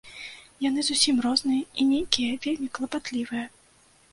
Яны зусім розныя і нейкія вельмі клапатлівыя.